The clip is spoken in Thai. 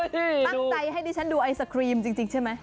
ตั้งใจให้ดิฉันดูไอศครีมจริงใช่ไหม